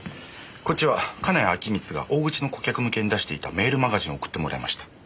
こっちは金谷陽充が大口の顧客向けに出していたメールマガジンを送ってもらいました。